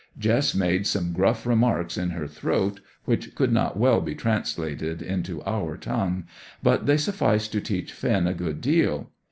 Jess made some gruff remarks in her throat which could not well be translated into our tongue; but they sufficed to teach Finn a good deal.